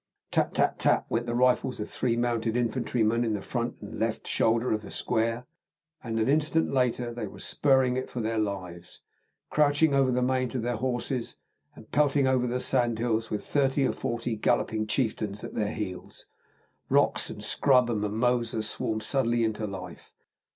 Tat, tat, tat, went the rifles of three mounted infantrymen in front of the left shoulder of the square, and an instant later they wore spurring it for their lives, crouching over the manes of their horses, and pelting over the sandhills with thirty or forty galloping chieftains at their heels. Rocks and scrub and mimosa swarmed suddenly into life.